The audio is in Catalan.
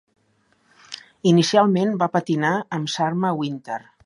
Inicialment va patinar amb Shawna Winter.